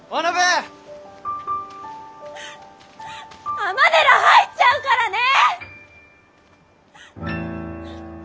尼寺入っちゃうからねー！